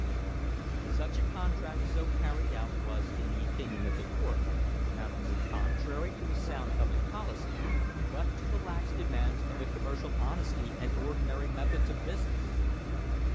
THE HISTORY OF THE STANDARD OIL COMPANY Such a contract so carried out was, in the opinion of the court, "not only contrary to a sound public policy, but to the lax demands of the commercial honesty and ordinary methods of business."